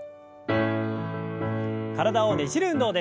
体をねじる運動です。